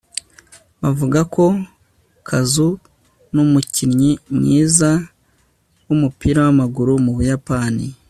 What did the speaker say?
Bavuga ko Kazu numukinnyi mwiza wumupira wamaguru mu Buyapani